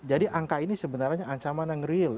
jadi angka ini sebenarnya ancaman yang real